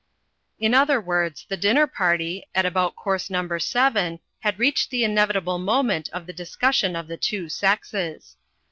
In other words, the dinner party, at about course number seven, had reached the inevitable moment of the discussion of the two sexes.